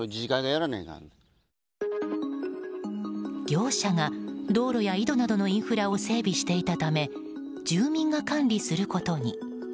業者が道路や井戸などのインフラを整備していたため住民が管理することに。